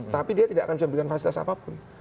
tapi dia tidak akan bisa memberikan fasilitas apapun